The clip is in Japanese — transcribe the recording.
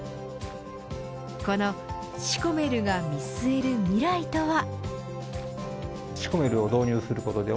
このシコメルが見据える未来とは。